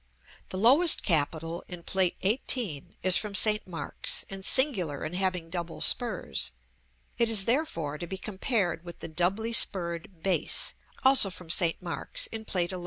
The lowest capital in Plate XVIII. is from St. Mark's, and singular in having double spurs; it is therefore to be compared with the doubly spurred base, also from St Mark's, in Plate XI.